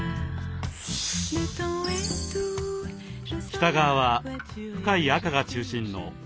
北側は深い赤が中心のアジア風。